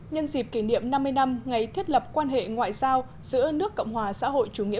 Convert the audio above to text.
nhân dịp kỷ niệm năm mươi năm ngày thiết lập quan hệ ngoại giao giữa nước cộng hòa xã hội chủ nghĩa